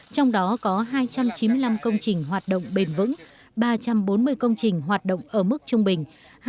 trong đó có hai trăm chín mươi năm công trình hoạt động bền vững ba trăm bốn mươi công trình hoạt động ở mức trung bình